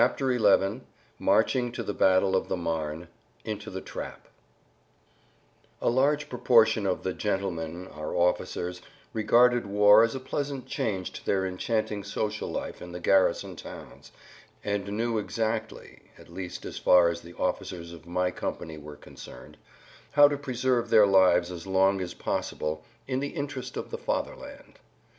[Pg 82] XI MARCHING TO THE BATTLE OF THE MARNE—INTO THE TRAP A large proportion of the "gentlemen," our officers, regarded war as a pleasant change to their enchanting social life in the garrison towns, and knew exactly (at least as far as the officers of my company were concerned) how to preserve their lives as long as possible "in the interest of the Fatherland."